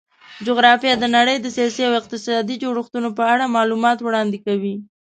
جغرافیه د نړۍ د سیاسي او اقتصادي جوړښتونو په اړه معلومات وړاندې کوي.